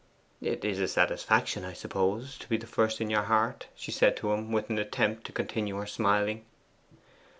'It is a satisfaction, I suppose, to be the first in your heart,' she said to him, with an attempt to continue her smiling.